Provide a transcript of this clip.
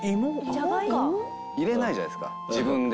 入れないじゃないですか自分で。